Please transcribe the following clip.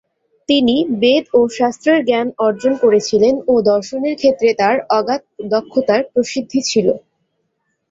তিনি বেদ ও শাস্ত্রের জ্ঞান অর্জন করেছিলেন ও দর্শনের ক্ষেত্রে তার অগাধ দক্ষতার প্রসিদ্ধি ছিল।